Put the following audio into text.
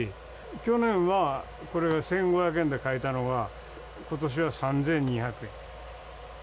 去年はこれは１５００円で買えたのが、ことしは３２００円。